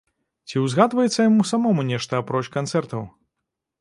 Ці ўзгадваецца яму самому нешта, апроч канцэртаў?